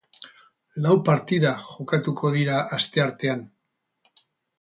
Lau partida jokatuko dira asteartean.